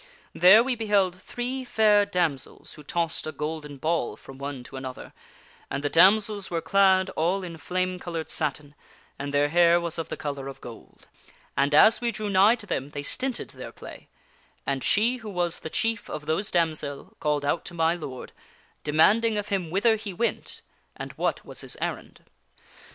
There we beheld three fair damsels who tossed a golden ball from one to another, and the damsels were clad all in flame colored satin, and their hair was of the color of gold. And as we drew nigh to them they stinted their play, and she who was the chief of those damsel called out to my lord, demanding of him whither he went and what was his errand.